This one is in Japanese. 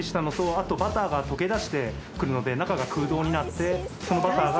あとバターが溶けだしていくので中が空洞になってそのバターが。